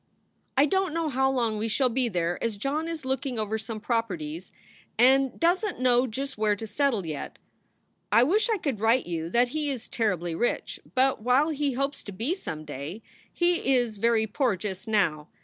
I dont know how long we shall be there as John is looking over some properties and doesnt know just where to settle yet. I wish I could write you that he is terribly rich, but while he hopes to be some day, he is very poor just now.